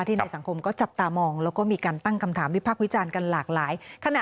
ในสังคมก็จับตามองแล้วก็มีการตั้งคำถามวิพักษ์วิจารณ์กันหลากหลาย